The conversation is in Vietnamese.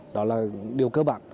đó là điều cơ bản